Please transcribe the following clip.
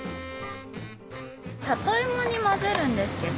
サトイモに混ぜるんですけど